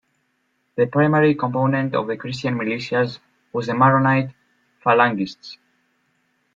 The primary component of the Christian militias was the Maronite Phalangists.